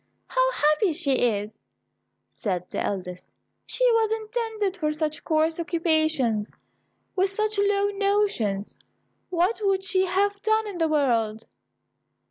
"How happy she is," said the eldest; "she was intended for such coarse occupations. With such low notions, what would she have done in the world?"